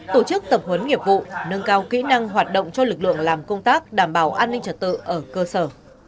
tổ chức tập huấn nghiệp vụ nâng cao kỹ năng hoạt động cho lực lượng làm công tác đảm bảo an ninh trật tự ở cơ sở